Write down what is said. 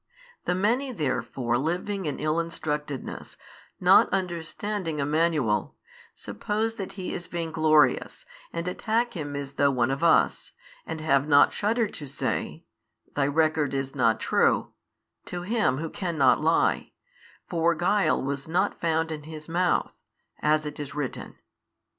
The many therefore living in ill instructedness, not understanding Emmanuel, suppose that He is vain glorious |568 and attack Him as though one of us, and have not shuddered to say, Thy record is not true, to Him Who cannot lie, for guile was not found in His Mouth, as it is written.